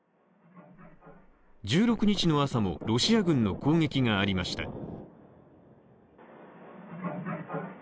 １６日の朝もロシア軍の攻撃がありました。